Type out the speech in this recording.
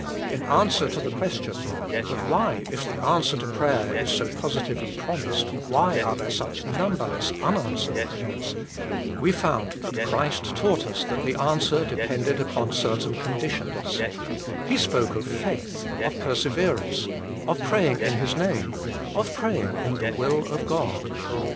In answer to the question, But why, if the answer to prayer is so positively promised, why are INTRODUCTION 3 there such numberless unanswered prayers ? we found that Christ taught us that the answer depended upon certain conditions. He spoke of faith, of perseverance, of praying in His Name, of praying in the will of God.